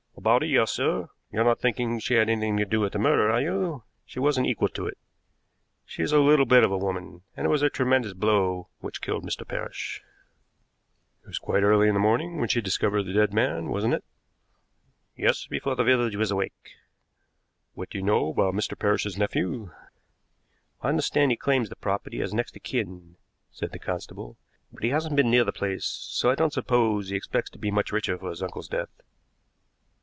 "About a year, sir. You're not thinking she had anything to do with the murder, are you? She wasn't equal to it. She is a little bit of a woman, and it was a tremendous blow which killed Mr. Parrish." "It was quite early in the morning when she discovered the dead man, wasn't it?" "Yes; before the village was awake." "What do you know about Mr. Parrish's nephew?" "I understand he claims the property as next of kin," said the constable; "but he hasn't been near the place, so I don't suppose he expects to be much richer for his uncle's death."